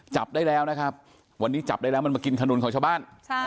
จับได้แล้วนะครับวันนี้จับได้แล้วมันมากินขนุนของชาวบ้าน